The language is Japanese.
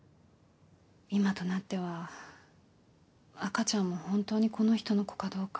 今となっては赤ちゃんもホントにこの人の子かどうか。